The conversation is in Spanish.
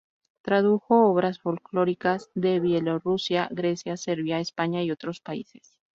Tradujo obras folclóricas de Bielorrusia, Grecia, Serbia, España y otros países.